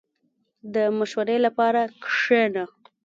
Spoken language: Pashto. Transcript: • د مشورې لپاره کښېنه.